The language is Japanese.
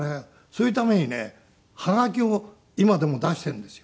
そういうためにねハガキを今でも出しているんですよ